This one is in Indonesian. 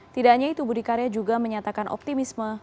tidak hanya itu budi karya juga menyatakan optimisme